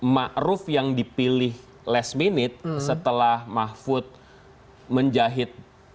maruf yang dipilih last minute setelah mahfud menjahit